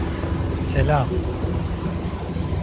Selâm.